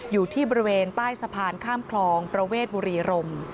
อยู่ที่บริเวณใต้สะพานข้ามคลองประเวทบุรีรม